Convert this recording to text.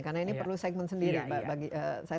karena ini perlu segmen sendiri